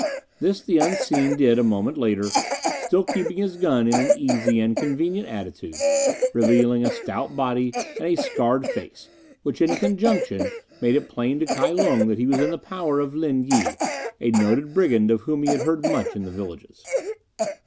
This the unseen did a moment later, still keeping his gun in an easy and convenient attitude, revealing a stout body and a scarred face, which in conjunction made it plain to Kai Lung that he was in the power of Lin Yi, a noted brigand of whom he had heard much in the villages.